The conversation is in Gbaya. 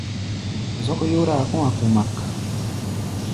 Zɔ́k yóráa kɔ̧́-a̧ kumak.